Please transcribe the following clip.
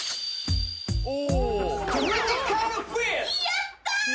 やった！